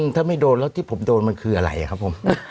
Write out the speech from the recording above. ถ้าไม่โดนแล้วที่ผมโดนมันคืออะไรครับผม